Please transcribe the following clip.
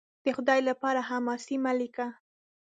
د خدای دپاره! حماسې مه لیکه